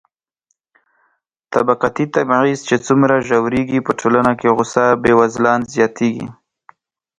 طبقاتي تبعيض چې څومره ژورېږي، په ټولنه کې غوسه بېوزلان زياتېږي.